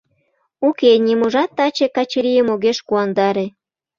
Уке, ниможат таче Качырийым огеш куандаре.